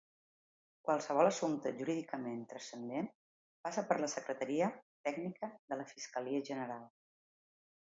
Qualsevol assumpte jurídicament transcendent passa per la secretaria tècnica de la fiscalia general.